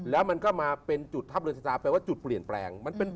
แล้วมันก็มาเป็นจุดทัพเรือนชะตาแปลว่าจุดเปลี่ยนแปลง